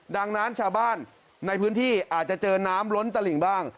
ดังนั้นชาวบ้านในพื้นที่อาจจะเจอน้ำล้นตลิ่งบ้าง